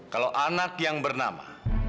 kalau anak yang bernama